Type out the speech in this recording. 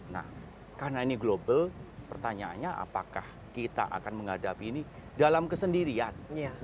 nah karena ini global pertanyaannya apakah kita akan menghadapi ini dalam kesendirian